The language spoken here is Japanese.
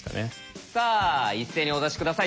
さあ一斉にお出し下さい。